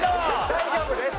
大丈夫です！